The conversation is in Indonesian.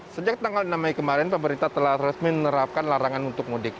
sejak tanggal enam mei kemarin pemerintah telah resmi menerapkan larangan untuk mudik